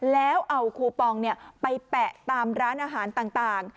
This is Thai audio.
แล้วเอาคูปองไปแปะตามร้านอาหารต่าง